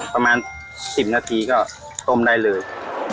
ประมาณ๑๐นาทีก็ต้มได้เลย